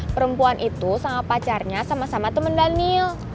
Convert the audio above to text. perempuan itu sama pacarnya sama sama teman daniel